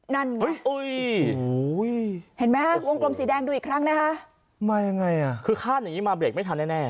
นั่นเห็นไหมวงกลมสีแดงดูอีกครั้งนะฮะมายังไงอ่ะคือค่าหนีมาเบรกไม่ทันแน่